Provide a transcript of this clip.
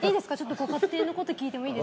ご家庭のこと聞いても。